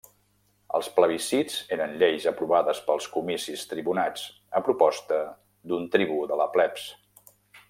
Els plebiscits eren lleis aprovades pels comicis tribunats, a proposta d'un tribú de la plebs.